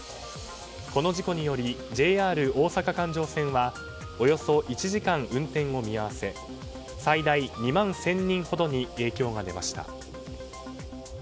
この事故によりＪＲ大阪環状線はおよそ１時間運転を見合わせ最大２万１０００人ほどに影響が出ました。